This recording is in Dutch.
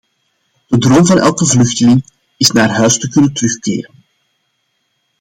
De droom van elke vluchteling is naar huis te kunnen terugkeren.